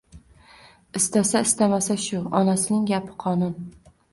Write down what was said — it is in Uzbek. Istasa-istamasa shu, onasining gapi qonun